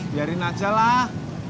biarin aja lah